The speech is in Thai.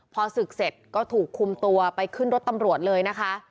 พอศึกเสร็จก็ถูกคุมตัวไปขึ้นรถตำรวจเลยนะคะ